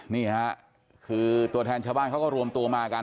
นี่ค่ะคือตัวแทนชาวบ้านเขาก็รวมตัวมากัน